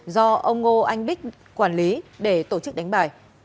do ông ngô anh bích quản lý để tổ chức đánh bài